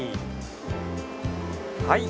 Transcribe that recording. はい。